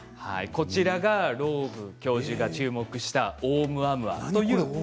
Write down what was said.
こちらがローブ教授が注目したオウムアムア。